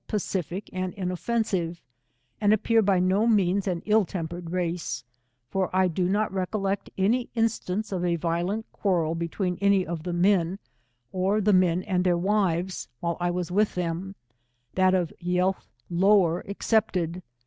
Pacific and inoffensive, and appear by no means an ill tempered race, for I do a 2 176 not recollect any instaDce of a violent quarrel be tween any of the men, or the men and their wives, while I was with them, that of Yeallhlower, except ed.